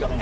thứ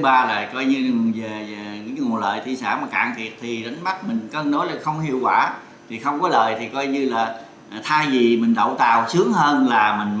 ba là coi như nguồn lợi thị sản mà cạn thiệt thì đánh bắt mình cân nói là không hiệu quả thì không có lợi thì coi như là thay vì mình đậu tàu sướng hơn là mình mang tàu đi để mà phải lo cái chi phí là khoảng một tỷ mấy cho một chiến biển thì coi như là gá nặng mà làm cũng không hiệu quả